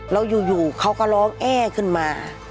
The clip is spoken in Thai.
แล้วอยู่เขาก็ร้องแอ้ขึ้นมา